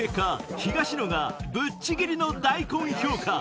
東野がぶっちぎりの大根評価